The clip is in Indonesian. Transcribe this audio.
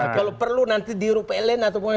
kalau perlu nanti di rupe ln atau bumn